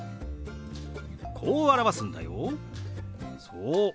そう。